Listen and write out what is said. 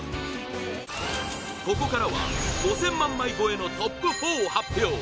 ここからは５０００万枚超えのトップ４を発表